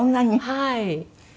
はい。